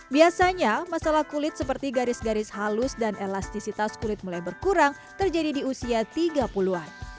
biasanya masalah kulit seperti garis garis halus dan elastisitas kulit mulai berkurang terjadi di usia tiga puluh an